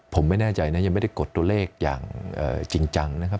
ผมไม่แน่ใจนะยังไม่ได้กดตัวเลขอย่างจริงจังนะครับ